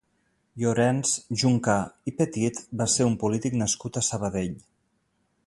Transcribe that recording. Llorenç Juncà i Petit va ser un polític nascut a Sabadell.